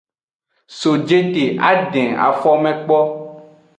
So jete a den afome kpo.